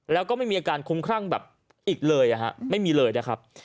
แล้วก็ไม่มีอาการคุ้มครั่งแบบอีกเลยไม่มีเลยนะครับ